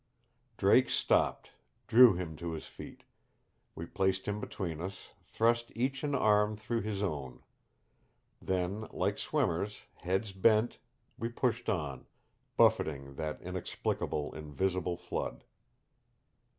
Drake stopped, drew him to his feet. We placed him between us, thrust each an arm through his own. Then, like swimmers, heads bent, we pushed on, buffeting that inexplicable invisible flood.